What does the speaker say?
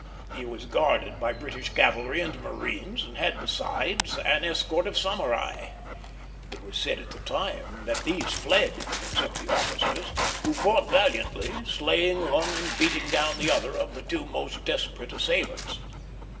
He was guarded by British cavalry and marines, and had besides an escort of samurai. It was said at the time that these fled, except the officers, who fought valiantly, slaying one and beating down the other of the two most desperate assailants.